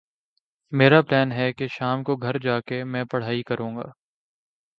میرا پلین ہے کہ شام کو گھر جا کے میں پڑھائی کرو گا۔